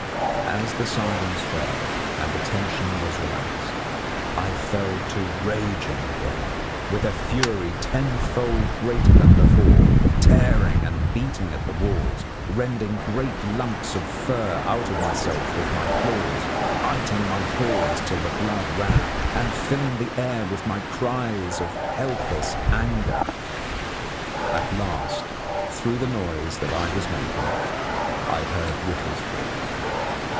As the silence fell and the tension was relaxed, I fell to raging again, with a fury tenfold greater than before, tearing and beating at the walls, rending great lumps of fur out of myself with my claws, biting my paws till the blood ran, and filling the air with my cries of helpless anger. At last through the noise that I was making I heard Wooffa's voice.